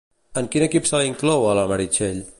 En quin grup se la inclou, a la Meritxell?